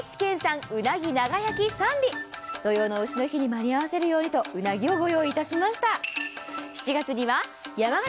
土用の丑の日に間に合わせるようにとうなぎを用意しました。